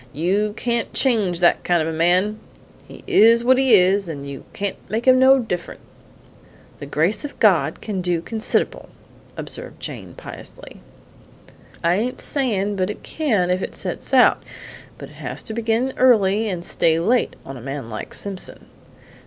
You can't change that kind of a man; he is what he is, and you can't make him no different!" "The grace of God can do consid'rable," observed Jane piously. "I ain't sayin' but it can if it sets out, but it has to begin early and stay late on a man like Simpson."